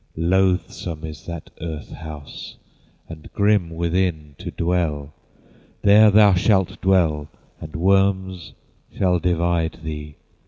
Loathsome is that earth house, And grim within to dwell. There thou shalt dwell, And worms shall divide thee.